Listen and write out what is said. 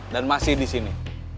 dan masih disini